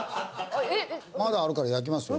まだあるから焼きますよ。